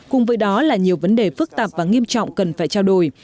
cùng với đó là nhiều vấn đề phức tạp và nghiêm trọng cần phải trao đổi